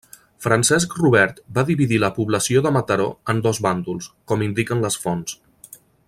Francesc Robert va dividir la població de Mataró en dos bàndols, com indiquen les fonts.